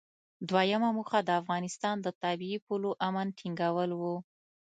دویمه موخه د افغانستان د طبیعي پولو امن ټینګول و.